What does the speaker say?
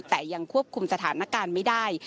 แต่ยังควบคุมสถานการณ์ไม่ได้